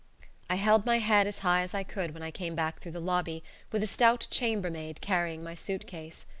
I held my head as high as I could when I came back through the lobby, with a stout chambermaid carrying my suit case.